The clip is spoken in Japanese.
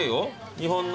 日本の。